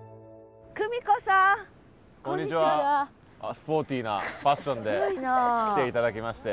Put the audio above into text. スポーティーなファッションで来て頂きまして。